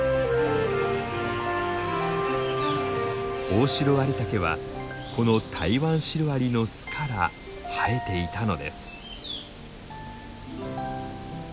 オオシロアリタケはこのタイワンシロアリの巣から生えていたのです。